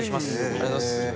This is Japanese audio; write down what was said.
ありがとうございます。